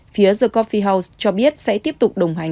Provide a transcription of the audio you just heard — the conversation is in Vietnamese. phía the coffi house cho biết sẽ tiếp tục đồng hành